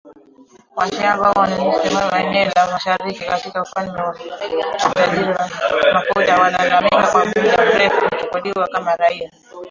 Wa shia ambao wanaishi hasa katika eneo la mashariki katika ufalme huo wenye utajiri wa mafuta, wamelalamika kwa muda mrefu kuchukuliwa kama raia